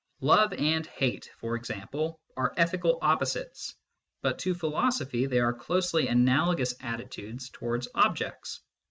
Love and hate, for example, are ethical opposites, but to philosophy they are closely analogous attitudes towards objects.